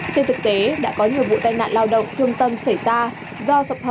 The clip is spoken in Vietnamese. trên thực tế đã có nhiều vụ tai nạn lao động thương tâm xảy ra